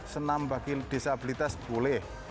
senam bagi disabilitas boleh